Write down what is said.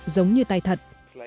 giống như tay thật